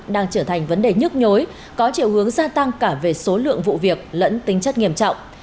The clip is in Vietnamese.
đang trở thành vấn đề nhức nhối có chiều hướng gia tăng cả về số lượng vụ việc lẫn tính chất nghiêm trọng